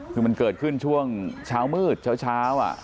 คือมันเกิดขึ้นช่วงเช้ามืดเช้า